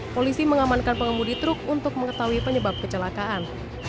polisi mengamankan pengemudi truk untuk mengetahui penyebab kecelakaan